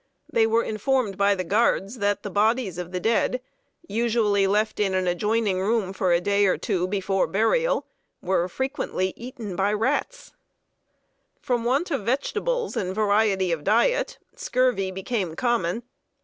They were informed by the guards that the bodies of the dead, usually left in an adjoining room for a day or two before burial, were frequently eaten by rats. [Sidenote: STEALING MONEY FROM THE CAPTIVES.] From want of vegetables and variety of diet, scurvy became common.